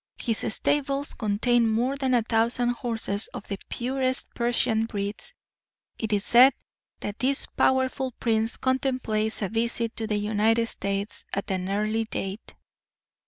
His stables contain more than a thousand horses of the purest Persian breeds. It is said that this powerful prince contemplates a visit to the United States at an early date.